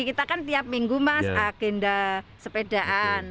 kita kan tiap minggu mas agenda sepedaan